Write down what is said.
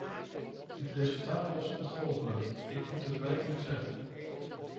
Het resultaat was ontgoochelend, ik moet het werkelijk zeggen.